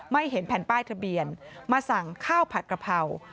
เห็นแผ่นป้ายทะเบียนมาสั่งข้าวผัดกระเพรา